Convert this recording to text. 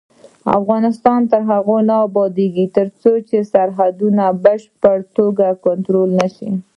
افغانستان تر هغو نه ابادیږي، ترڅو خپل سرحدونه په بشپړه توګه کنټرول نشي.